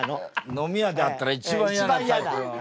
飲み屋で会ったら一番嫌なタイプの。